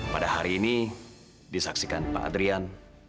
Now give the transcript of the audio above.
pada hari ini disaksikan pak adrian